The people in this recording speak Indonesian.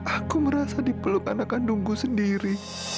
aku merasa dipeluk anak kandungku sendiri